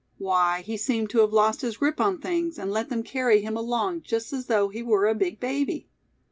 Why, he seemed to have lost his grip on things, and let them carry him along just as though he were a big baby.